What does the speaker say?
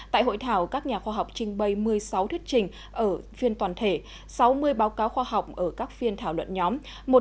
tại hội thảo các nhà khoa học trình bày một mươi sáu thuyết trình ở phiên toàn thể sáu mươi báo cáo khoa học ở các phiên thảo luận nhóm